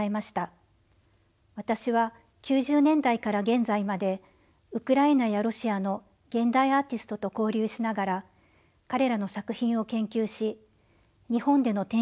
私は９０年代から現在までウクライナやロシアの現代アーティストと交流しながら彼らの作品を研究し日本での展示などにも関わってきました。